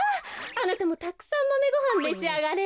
あなたもたくさんマメごはんめしあがれ。